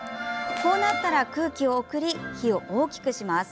こうなったら空気を送り火を大きくします。